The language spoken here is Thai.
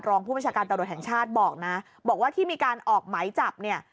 รองผู้บัญชาการตำรวจแห่งชาติบอกนะบอกว่าที่มีการออกหมายจับเนี่ย